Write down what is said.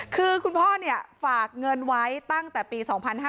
คือคุณพ่อฝากเงินไว้ตั้งแต่ปี๒๕๕๙